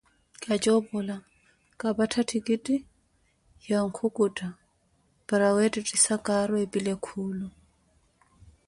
Kajoopola, kapattha ttikitti ya nkukutta para weettettisa caaro epile kuulo.